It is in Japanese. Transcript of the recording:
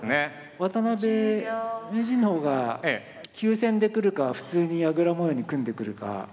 渡辺名人の方が急戦で来るか普通に矢倉模様に組んでくるか。